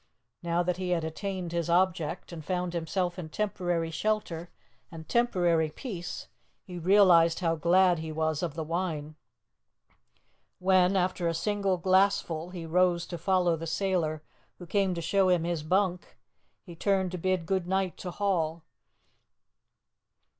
Now that he had attained his object, and found himself in temporary shelter and temporary peace, be realized how glad he was of the wine. When, after a single glassful, he rose to follow the sailor who came to show him his bunk, he turned to bid good night to Hall.